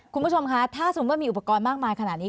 คุณผู้ชมคะถ้าสมมุติว่ามีอุปกรณ์มากมายขนาดนี้